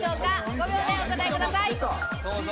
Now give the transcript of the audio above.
５秒でお答えください。